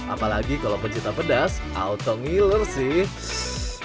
apalagi kalau pencipta pedas auto ngiler sih